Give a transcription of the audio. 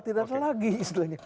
tidak ada lagi istilahnya